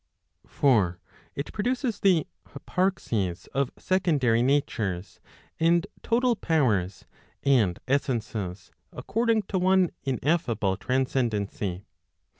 For it produces the hyparxes of secondary natures, and total powers and essences, according to one ineffable transcendency.